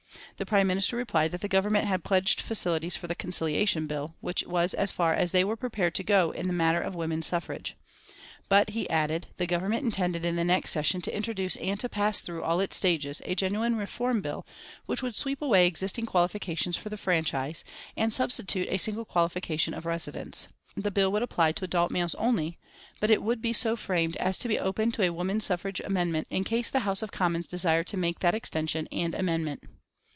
The Prime Minister replied that the Government had pledged facilities for the Conciliation Bill, which was as far as they were prepared to go in the matter of women's suffrage. But, he added, the Government intended in the next session to introduce and to pass through all its stages a genuine reform bill which would sweep away existing qualifications for the franchise, and substitute a single qualification of residence. The bill would apply to adult males only, but it would be so framed as to be open to a woman suffrage amendment in case the House of Commons desired to make that extension and amendment.